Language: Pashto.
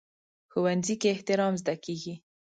ښوونځی کې احترام زده کېږي